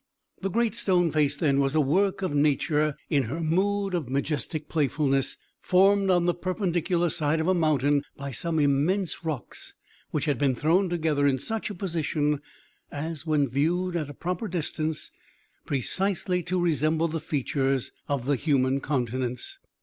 The Great Stone Face, then, was a work of Nature in her mood of majestic playfulness, formed on the perpendicular side of a mountain by some immense rocks, which had been thrown together in such a position as, when viewed at a proper distance, precisely to resemble the features of the human countenance.